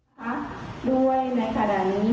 ราคาสองเทพสมัยลมมนต์ไทยงามได้ดำเนินการฉีดพ่นยาฆ่าเชื้อ